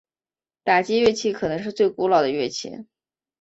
打击乐器可能是最古老的乐器。